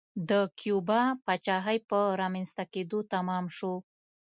د کیوبا پاچاهۍ په رامنځته کېدو تمام شو.